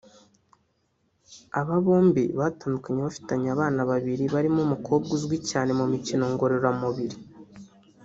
Aba bombi batandukanye bafitanye abana babiri barimo umukobwa uzwi cyane mu mikino ngororamubiri